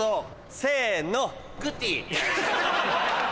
せの。